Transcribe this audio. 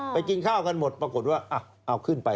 กินข้าวกันหมดปรากฏว่าเอาขึ้นไป